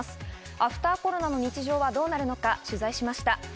アフターコロナの日常は、どうなるのか取材しました。